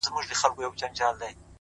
خپل ځواک د خیر په لور رهبري کړئ،